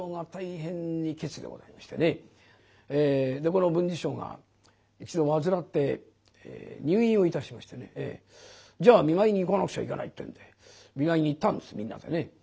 この文治師匠が一度患って入院をいたしましてねじゃあ見舞いに行かなくちゃいけないってんで見舞いに行ったんですみんなでね。